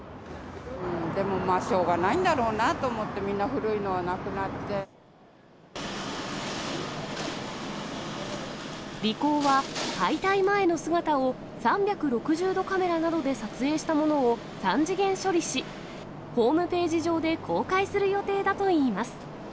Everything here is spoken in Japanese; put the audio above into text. でもまあ、しょうがないんだろうなと思って、リコーは、解体前の姿を３６０度カメラなどで撮影したものを３次元処理し、ホームページ上で公開する予定だといいます。